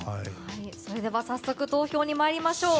それでは早速投票に参りましょう。